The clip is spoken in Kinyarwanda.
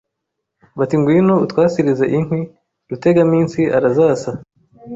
Bati Ngwino utwasirize inkwi Rutegaminsi arazasa